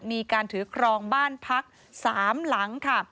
มีการถือครองบ้านพัก๓หลังค่ะ